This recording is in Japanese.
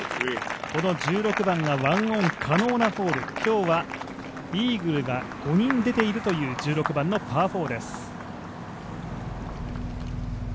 この１６番は１オン可能なホール、今日はイーグルが５人出ているという１６番のパー４です。